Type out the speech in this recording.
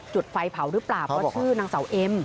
จุดไฟเผาหรือเปล่าเพราะชื่อนางเสาเอ็ม